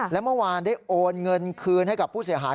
และเมื่อวานได้โอนเงินคืนให้กับผู้เสียหาย